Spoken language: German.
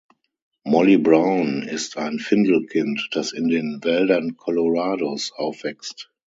Molly Brown ist ein Findelkind, das in den Wäldern Colorados aufwächst.